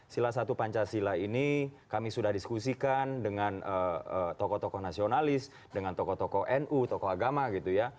sila satu pancasila ini kami sudah diskusikan dengan tokoh tokoh nasionalis dengan tokoh tokoh nu tokoh agama gitu ya